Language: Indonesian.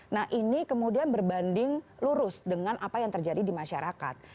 nah ini kemudian berbanding lurus dengan apa yang terjadi di masyarakat